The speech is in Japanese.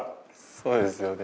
そうですよね。